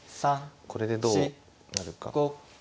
これでどうなるか。